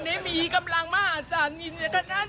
ตัดชุดละมุนทถังที่พยาบาลเป็นรถไอ้น้องผู้ตาย